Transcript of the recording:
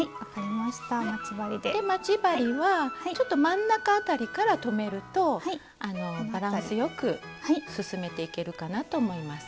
で待ち針はちょっと真ん中あたりから留めるとバランスよく進めていけるかなと思います。